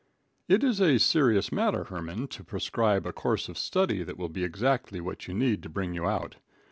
It is a serious matter, Herman, to prescribe a course of study that will be exactly what you need to bring you out.